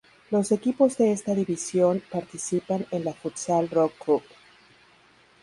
Los equipos de esta división participan en la Futsal Rock Cup.